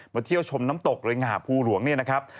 เที่ยวชมน้ำตกเร็งหาภูหลวงเนี่ยนะครับ